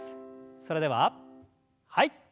それでははい。